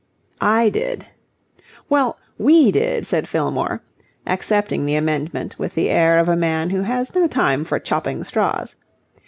"I did." "Well, we did," said Fillmore, accepting the amendment with the air of a man who has no time for chopping straws.